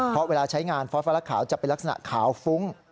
เพราะเวลาใช้งานฟอสฟะละขาวจะเป็นลักษณะขาวฟุ้ง